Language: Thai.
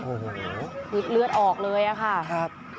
โอ้โหฮืดเลือดออกเลยค่ะ